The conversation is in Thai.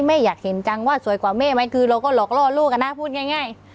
แม่อยากเห็นจังว่าสวยกว่าแม่ไหมคือเราก็หลอกล่อลูกอะนะพูดง่าย